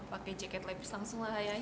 pakai jaket levis langsung ya